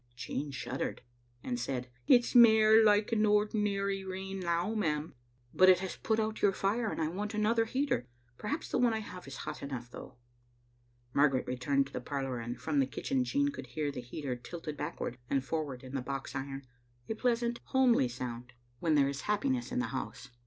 " Jean shuddered, and said, " It's mair like an ordinary rain now, ma'am. "" But it has put out your fire, and I wanted another heater. Perhaps the one I have is hot enough, though. " Margaret returned to the parlor, and from the kitchen Jean could hear the heater tilted backward and forward in the box iron — a pleasant, homely sound Digitized by VjOOQ IC 888 tcbe Xfttie asMstct. when there is happiness in the house.